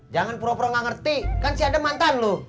jangan pura pura gak ngerti kan si adam mantan lo